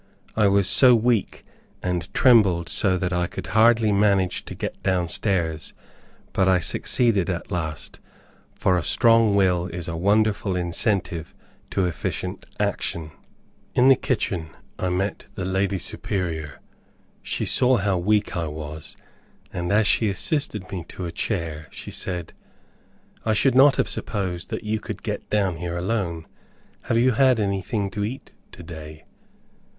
I was so weak and trembled so that I could hardly manage to get down stairs; but I succeeded at last, for a strong will is a wonderful incentive to efficient action. In the kitchen I met the Lady Superior. She saw how weak I was, and as she assisted me to a chair, she said, "I should not have supposed that you could get down here alone. Have you had anything to eat to day?"